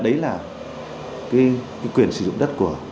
cái quyền sử dụng đất của